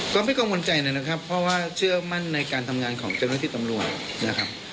ก็ไม่กังวลใจนะครับเพราะว่าเชื่อมั่นในการทำงานของเจ้าหน้าที่ตำรวจนะครับ